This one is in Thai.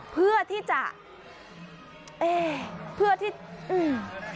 เพื่อที่จะเอ๊เพื่อที่อืม